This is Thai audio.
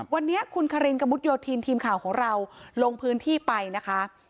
วันนี้คุณคารินกระมุดโยธินทีมข่าวของเราลงพื้นที่ไปนะคะ